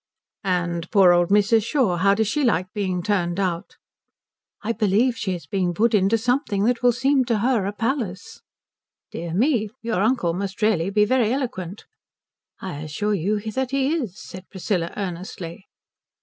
"And poor old Mrs. Shaw how does she like being turned out?" "I believe she is being put into something that will seem to her a palace." "Dear me, your uncle must really be very eloquent." "I assure you that he is," said Priscilla earnestly.